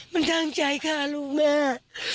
มันตั้งใจฆ่าลูกแม่